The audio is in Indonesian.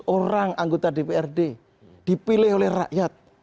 orang anggota dprd dipilih oleh rakyat